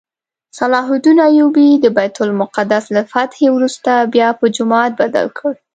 صلاح الدین ایوبي د بیت المقدس له فتحې وروسته بیا په جومات بدل کړ.